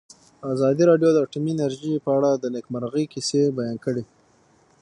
ازادي راډیو د اټومي انرژي په اړه د نېکمرغۍ کیسې بیان کړې.